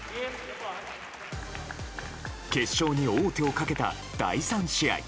決勝に王手をかけた第３試合。